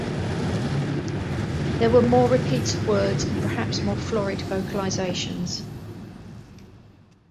There were more repeats of words and perhaps more florid vocalisations.